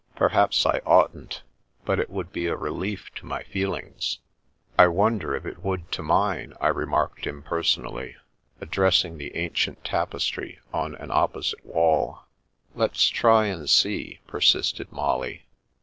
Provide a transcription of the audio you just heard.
" Per haps I oughtn't, but it would be a relief to my feel ings." " I wonder if it would to mine ?" I remarked im personally, addressing the ancient tapestry on an op posite wall. "Let's try, and see," persisted Molly.